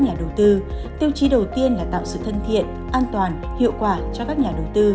nhà đầu tư tiêu chí đầu tiên là tạo sự thân thiện an toàn hiệu quả cho các nhà đầu tư